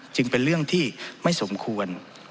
จึงเป็นเรื่องที่ไม่สมควร